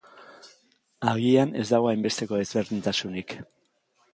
Agian ez dago hainbesteko ezberdintasunik.